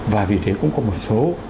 và vì thế cũng có một số